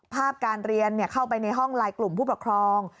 ภาพการเรียนเข้าไปในห้องไลน์กลุ่มผู้ปกครอง